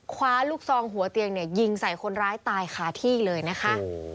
คว้าลูกซองหัวเตียงเนี่ยยิงใส่คนร้ายตายคาที่เลยนะคะ